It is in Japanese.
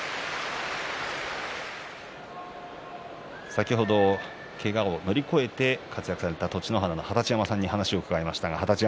先ほど、けがを乗り越えて活躍された栃乃花の二十山さんに話を伺いました。